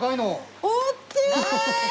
大きい！